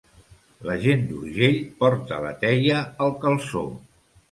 La gent d'Urgell porta la teia al calçó.